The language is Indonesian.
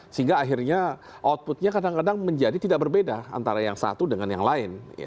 sehingga akhirnya outputnya kadang kadang menjadi tidak berbeda antara yang satu dengan yang lain